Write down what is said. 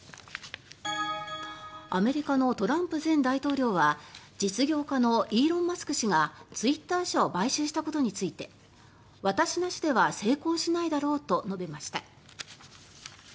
アメリカのトランプ前大統領は実業家のイーロン・マスク氏がツイッター社を買収したことについて私なしでは成功しないだろうと述べました。